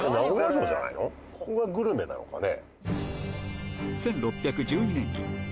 ここがグルメなのかね？